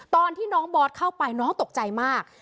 ตอนที่น้องบอสเข้าไปน้องตกใจมาก